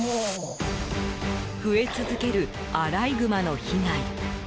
増え続けるアライグマの被害。